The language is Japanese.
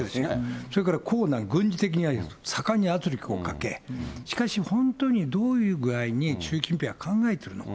それから軍事力、盛んに圧力をかけ、しかし、本当にどういう具合に習近平は考えているのか。